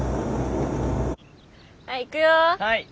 はいいくよ。